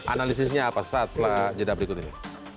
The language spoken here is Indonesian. analisisnya apa saat setelah jeda berikut ini